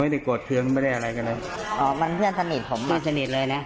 ไม่ได้โกรธเคืองไม่ได้อะไรกันเลยอ๋อมันเพื่อนสนิทผมมันสนิทเลยนะ